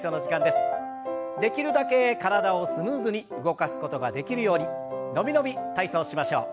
できるだけ体をスムーズに動かすことができるように伸び伸び体操しましょう。